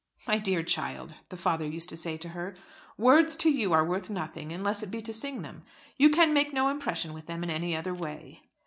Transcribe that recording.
"My dear child," the father used to say to her, "words to you are worth nothing, unless it be to sing them. You can make no impression with them in any other way."